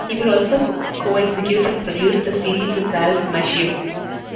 He will also co-executive produce the series with Ralph Macchio.